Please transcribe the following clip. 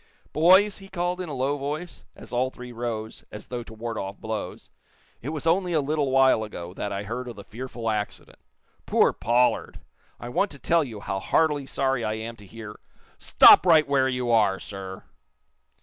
"Boys," he called, in a low voice, as all three rose as though to ward off blows, "it was only little while ago that I heard of the fearful accident. Poor Pollard! I want to tell you how heartily sorry I am to hear " "Stop right where you are, sir!"